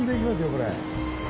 これ。